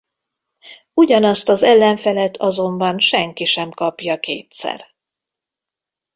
Ugyanazt az ellenfelet azonban senki sem kapja kétszer.